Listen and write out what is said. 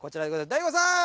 大悟さん。